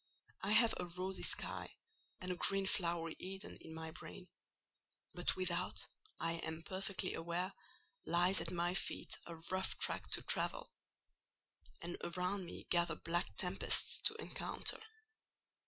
I have a rosy sky and a green flowery Eden in my brain; but without, I am perfectly aware, lies at my feet a rough tract to travel, and around me gather black tempests to encounter.